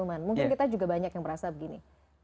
mungkin kita juga banyak yang merasa begini